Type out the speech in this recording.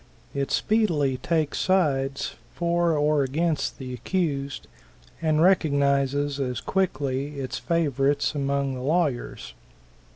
It speedily takes sides for or against the accused, and recognizes as quickly its favorites among the lawyers.